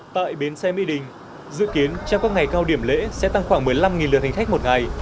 tại bến xe mỹ đình dự kiến trong các ngày cao điểm lễ sẽ tăng khoảng một mươi năm lượt hành khách một ngày